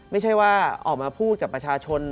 ไม่ใช่ว่าออกมาพูดกับประชาชน